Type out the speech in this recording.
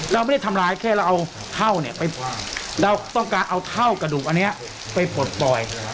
เราไม่ได้ทำร้ายแค่เราเอาเท่าเนี่ยไปเราต้องการเอาเท่ากระดูกอันนี้ไปปลดปล่อย